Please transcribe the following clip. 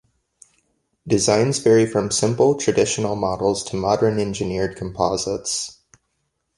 Designs vary from simple, traditional models to modern engineered composites.